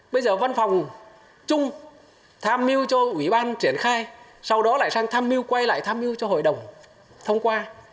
bây giờ văn phòng chung tham mưu cho ủy ban triển khai sau đó lại sang tham mưu quay lại tham mưu cho hội đồng thông qua